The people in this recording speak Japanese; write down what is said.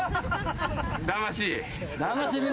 魂！